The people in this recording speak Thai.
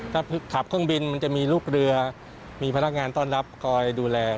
ถ้าขับเครื่องบินมันจะมีลูกเรือมีพนักงานต้อนรับคอยดูแล